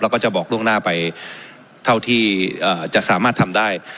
ก็จะบอกล่วงหน้าไปเท่าที่จะสามารถทำได้